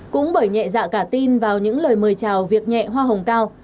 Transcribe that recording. cũng bởi nhẹ dạ cả tin vào những lời mời chào việc nhẹ hoa hồng cao